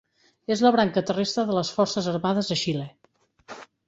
És la branca terrestre de les Forces Armades de Xile.